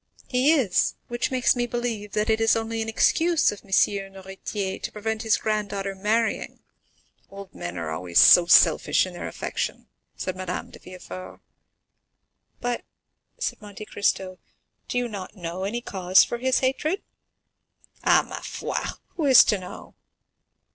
"He is, which makes me believe that it is only an excuse of M. Noirtier to prevent his granddaughter marrying; old men are always so selfish in their affection," said Madame de Villefort. "But," said Monte Cristo "do you not know any cause for this hatred?" "Ah, ma foi! who is to know?"